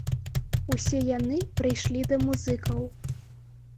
Усе яны прыйшлі да музыкаў.